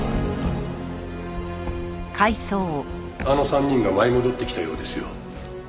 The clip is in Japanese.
あの３人が舞い戻ってきたようですよ。